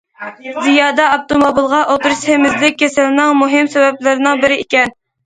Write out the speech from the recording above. زىيادە ئاپتوموبىلغا ئولتۇرۇش سېمىزلىك كېسىلىنىڭ مۇھىم سەۋەبلىرىنىڭ بىرى ئىكەن.